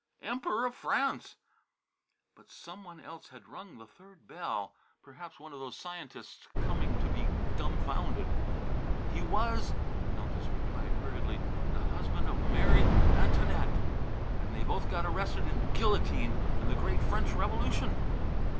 "Emperor of France " But some one else had rung the third bell, perhaps one of those scientists coming to be dumfounded. "He was," the Countess replied hurriedly, "the husban' of Mary Antonett, an' they both got arrested and gilletined in the great French revolution."